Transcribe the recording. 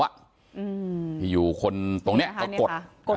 อืมอยู่คนตรงเนี้ยเขากด